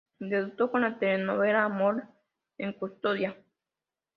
Debutó con la telenovela "Amor en custodia".